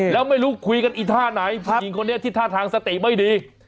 แล้วไม่รู้คุยกันอีท่าไหนผู้หญิงคนนี้ที่ท่าทางสติไม่ดี